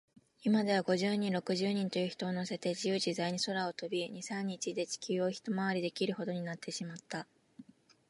いまでは、五十人、六十人という人をのせて、じゆうじざいに空を飛び、二、三日で地球をひとまわりできるほどになってしまった。